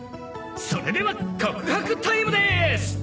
それでは告白タイムです！